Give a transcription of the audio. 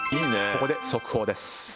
ここで速報です。